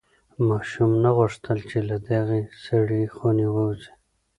ماشوم نه غوښتل چې له دغې سړې خونې ووځي.